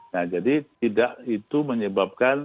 nah jadi tidak itu menyebabkan